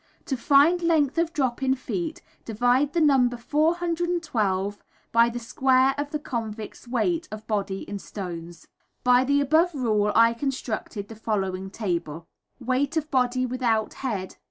To find length of drop in feet, divide the number 412 by the square of the convict's weight of body in stones. By the above rule I constructed the following table: Weight of body without head.